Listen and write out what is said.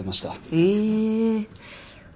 へえ。